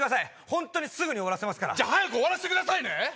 ホントにすぐに終わらせますからじゃあ早く終わらせてくださいね